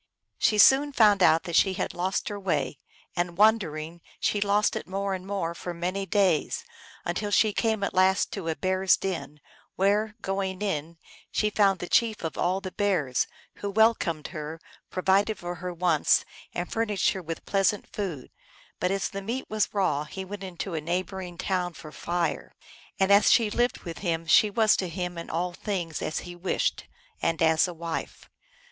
She soon found out that she had lost her way, and, wandering, she lost it more and more for many days, until she came at last to a bear s den, where, going in, she found the Chief of all the bears, who welcomed her, provided for her wants, and furnished her with pleasant food ; but as the meat was raw he went into a neighboring town for fire. And as she lived with him she was to him in all things as he wished, and as a wife.